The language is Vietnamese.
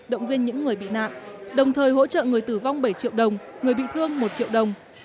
động viên những người bị nạn đồng thời hỗ trợ người tử vong bảy triệu đồng người bị thương một triệu đồng